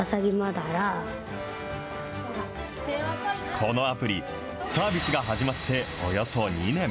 このアプリ、サービスが始まっておよそ２年。